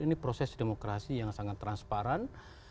ini proses demokrasi yang sangat transparan